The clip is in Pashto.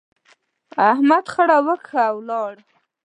احمد خړه وکښه، ولاړ.